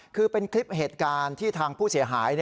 คือเป็นคลิปเหตุการณ์ที่ทางผู้เสียหาย